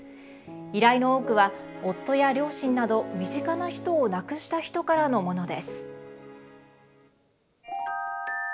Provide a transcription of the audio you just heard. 依頼の多くは夫や両親など身近な人を亡くした人からのものです。